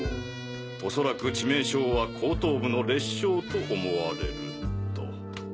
おそらく致命傷は後頭部の裂傷と思われると。